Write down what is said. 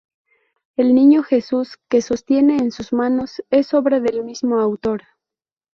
El Niño Jesús que sostiene en sus manos es obra del mismo autor.